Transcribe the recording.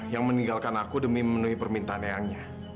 yang meninggalkan aku demi memenuhi permintaan eyangnya